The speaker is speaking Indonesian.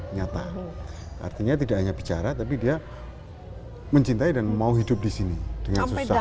nyata artinya tidak hanya bicara tapi dia mencintai dan mau hidup di sini dengan susah